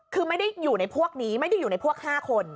คือไม่ได้อยู่ในพวกนี้ไม่ได้อยู่ในพวก๕คน